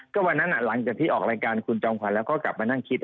ก็วันนั้นหลังจากที่ออกรายการคุณจอมขวัญแล้วก็กลับมานั่งคิด